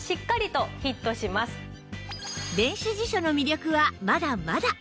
電子辞書の魅力はまだまだ！